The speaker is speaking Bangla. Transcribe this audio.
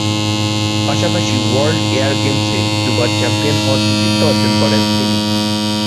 পাশাপাশি ওয়ার্ল্ড এয়ার গেমসে দুবার চ্যাম্পিয়ন হওয়ার কৃতিত্ব অর্জন করেন তিনি।